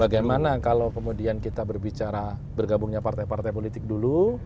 bagaimana kalau kemudian kita berbicara bergabungnya partai partai politik dulu